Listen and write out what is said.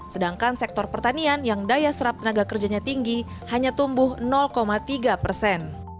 sedangkan sektor pertanian yang daya serap tenaga kerjanya tinggi hanya tumbuh tiga persen